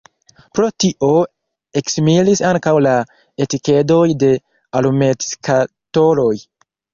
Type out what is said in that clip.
Pro tio eksimilis ankaŭ la etikedoj de alumetskatoloj.